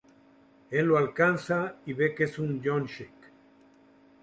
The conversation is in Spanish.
Él lo alcanza y ve que es Jun-shik.